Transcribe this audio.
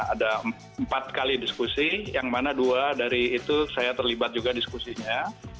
ada empat kali diskusi yang mana dua dari itu saya terlibat juga diskusinya